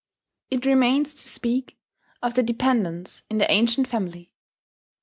It remains to speak of the dependants in the ancient family.